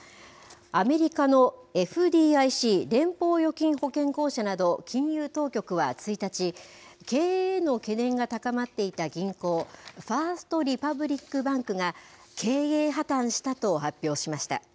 アメリカのＦＤＩＣ・連邦預金保険公社など、金融当局は１日、経営への懸念が高まっていた銀行、ファースト・リパブリック・バンクが、経営破綻したと発表しました。